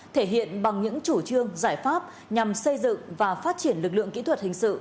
thể hiện bằng những chủ trương giải pháp nhằm xây dựng và phát triển lực lượng kỹ thuật hình sự